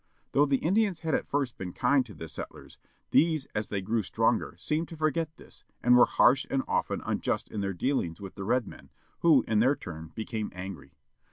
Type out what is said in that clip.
Though the Indians had at first been kind to the settlers, these as they grew stronger seemed to forget this, and were harsh and often unjust in their dealings with the red men, who in their turn became angry.